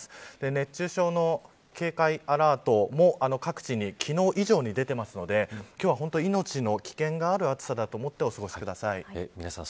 熱中症の警戒アラートも各地に昨日以上に出ていますので今日は、本当に命の危険がある暑さだと思って皆さん